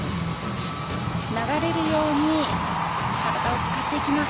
流れるように体を使っていきます。